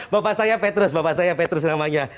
bapak saya petrus bapak saya petrus namanya